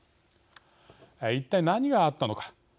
一体何があったのか。